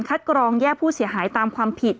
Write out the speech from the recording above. กรองแยกผู้เสียหายตามความผิด